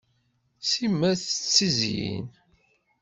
Simmal tettizyin.